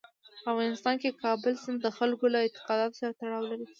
په افغانستان کې کابل سیند د خلکو له اعتقاداتو سره تړاو لري.